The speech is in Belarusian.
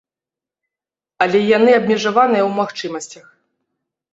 Але яны абмежаваныя ў магчымасцях.